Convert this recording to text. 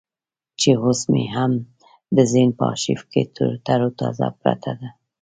چې اوس مې هم د ذهن په ارشيف کې ترو تازه پرته ده.